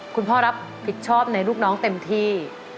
คุณพ่อรับผิดชอบในลูกน้องเต็มที่